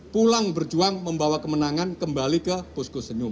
pulang berjuang membawa kemenangan kembali ke poskosinyum